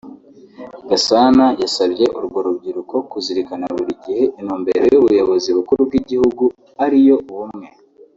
Gasana yasabye urwo rubyiruko kuzirikana buri gihe intumbero y’ubuyobozi bukuru bw’igihugu ari yo ’Ubumwe